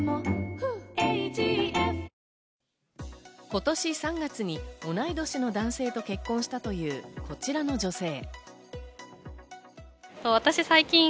今年３月に同い年の男性と結婚したというこちらの女性。